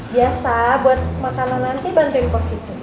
biasa buat makanan nanti bantuin positi